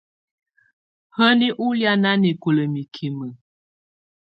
Hǝni ù lɛ̀á nanɛkɔla mikimǝ?